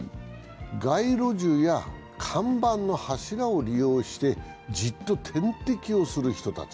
街路樹や看板の柱を利用してじっと点滴をする人たち。